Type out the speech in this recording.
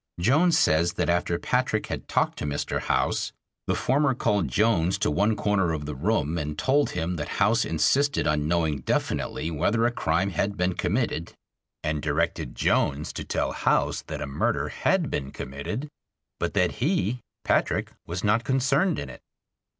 Jones says that after Patrick had talked to Mr. House the former called Jones to one corner of the room and told him that House insisted on knowing definitely whether a crime had been committed and directed Jones to tell House that a murder had been committed, but that he (Patrick) was not concerned in it.